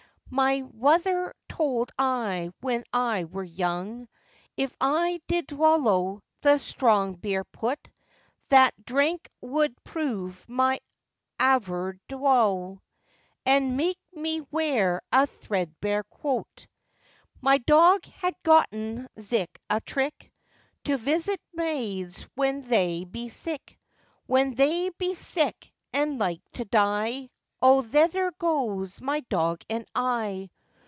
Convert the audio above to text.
My mwother told I, when I wur young, If I did vollow the strong beer pwoot, That drenk would prov my awverdrow, And meauk me wear a threadbare cwoat. My dog has gotten zitch a trick, To visit moids when thauy be zick; When thauy be zick and like to die, O thether gwoes my dog and I.